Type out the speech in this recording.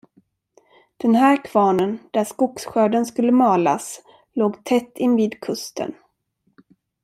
Den här kvarnen, där skogsskörden skulle malas, låg tätt invid kusten.